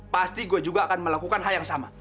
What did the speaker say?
pasti gue juga akan melakukan hal yang sama